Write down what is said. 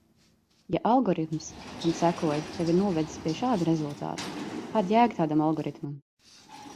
Ja algoritms, kam sekoji, tevi ir novedis pie šāda rezultāta, kāda jēga tādam algoritmam?